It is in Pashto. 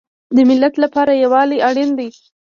د ملت لپاره یووالی اړین دی